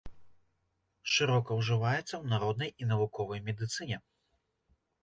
Шырока ўжываецца ў народнай і навуковай медыцыне.